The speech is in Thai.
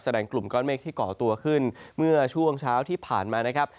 กลุ่มก้อนเมฆที่เกาะตัวขึ้นเมื่อช่วงเช้าที่ผ่านมานะครับ